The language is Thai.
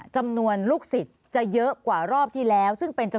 จำนวนลูกศิษย์จะเยอะกว่ารอบที่แล้ว